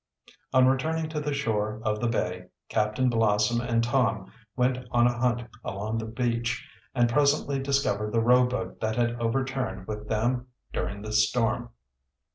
On returning to the shore of the bay, Captain Blossom and Tom went on a hunt along the beach and presently discovered the rowboat that had overturned with them during the storm.